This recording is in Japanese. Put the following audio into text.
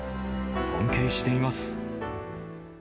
尊敬しています。